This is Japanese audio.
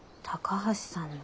高橋さん！